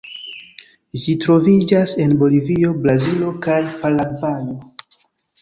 Ĝi troviĝas en Bolivio, Brazilo kaj Paragvajo.